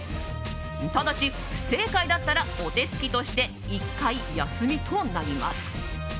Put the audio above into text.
ただし、不正解だったらお手付きとして１回休みとなります。